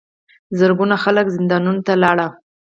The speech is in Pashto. زرګونه خلک زندانونو ته لاړل.